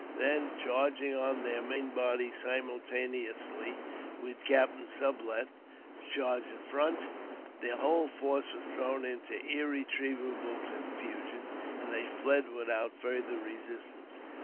Then charging on their main body simultaneously with Captain Sublet's charge in front, their whole force was thrown into irretrievable confusion, and they fled without farther resistance.